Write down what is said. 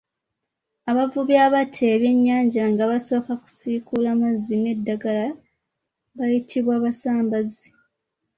Abavubi abatta ebyennyanja nga basooka kusiikuula mazzi n’eddagala bayitibwa abasambazzi.